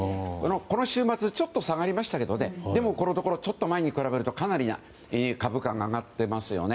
この週末ちょっと下がりましたけどでも、このところちょっと前に比べるとかなり株価が上がってますよね。